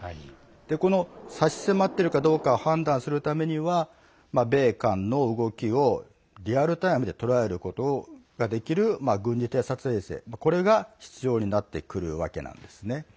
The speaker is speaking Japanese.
この差し迫っているかどうかを判断するためには米韓の動きをリアルタイムで捉えることができる軍事偵察衛星が必要になってくるわけなんですね。